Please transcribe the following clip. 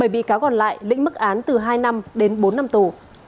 bảy bị cáo còn lại lĩnh mức án từ hai năm đến bốn năm tù